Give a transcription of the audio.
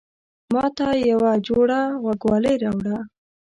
ماته يوه جوړه غوږوالۍ راوړه